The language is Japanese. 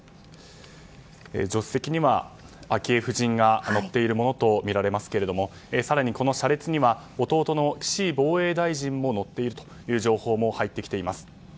助手席には昭恵夫人が乗っているものとみられますが更にこの車列には弟の岸防衛大臣も乗っているという情報も入ってきています。